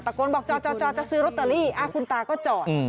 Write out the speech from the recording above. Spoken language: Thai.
โกนบอกจอจะซื้อลอตเตอรี่คุณตาก็จอด